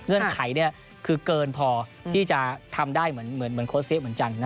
เงื่อนไขคือเกินพอที่จะทำได้เหมือนโค้ชเซียเหมือนกัน